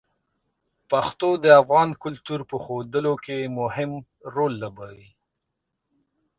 پښتو د افغان کلتور په ښودلو کې مهم رول لوبوي.